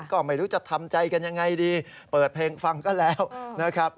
ก็ไม่รู้จะทำใจกันยังไงดีเปิดเพลงฟังก็แล้วนะครับ